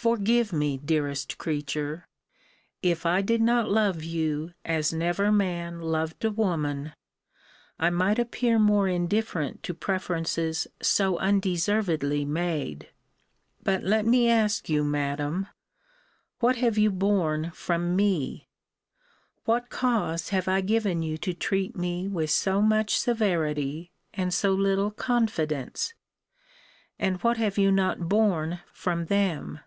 Forgive me, dearest creature! If I did not love you as never man loved a woman, I might appear more indifferent to preferences so undeservedly made. But let me ask you, Madam, What have you borne from me? What cause have I given you to treat me with so much severity and so little confidence? And what have you not borne from them?